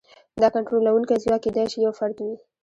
دا کنټرولونکی ځواک کېدای شي یو فرد وي.